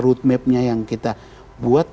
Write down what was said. roadmapnya yang kita buat